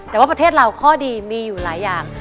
แต่ว่าประเทศเราข้อดีมีอยู่หลายอย่าง